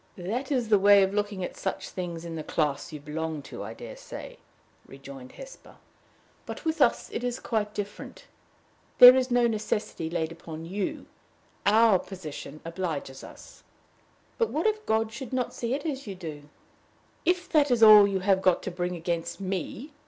"That is the way of looking at such things in the class you belong to, I dare say," rejoined Hesper; "but with us it is quite different. There is no necessity laid upon you. Our position obliges us." "But what if God should not see it as you do?" "If that is all you have got to bring against me!